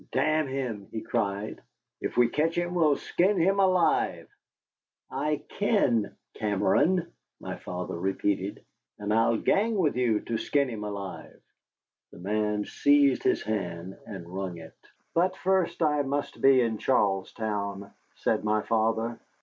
Damn him," he cried, "if we catch him we'll skin him alive." "I ken Cameron," my father repeated, "and I'll gang with you to skin him alive." The man seized his hand and wrung it. "But first I must be in Charlestown," said my father.